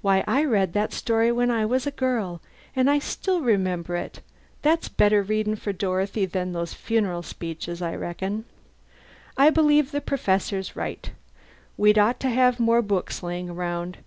"Why, I read that story when I was a girl, and I still remember it. That's better readin' for Dorothy than those funeral speeches, I reckon. I believe the Professor's right: we'd ought to have more books laying around.